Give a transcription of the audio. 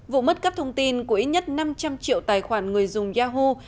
vụ mất cấp thông tin của ít nhất năm trăm linh triệu tài khoản người dùng yahoo